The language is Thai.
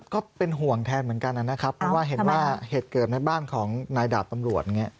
ก็เป็นห่วงแทนเหมือนกันนะครับว่าเหตุเกิดในบ้านของนายดาบตำรวจ